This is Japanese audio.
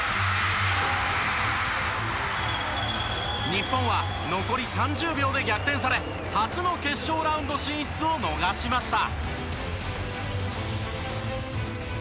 日本は残り３０秒で逆転され初の決勝ラウンド進出を逃しました。